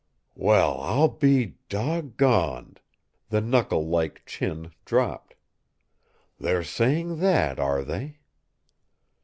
"Well, I'll be dog goned!" The knuckle like chin dropped. "They're saying that, are they?"